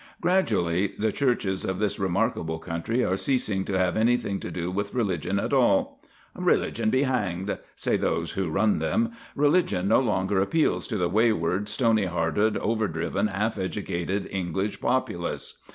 Gradually the churches of this remarkable country are ceasing to have anything to do with religion at all. "Religion be hanged!" say those that run them. "Religion no longer appeals to the wayward, stony hearted, over driven, half educated English populace.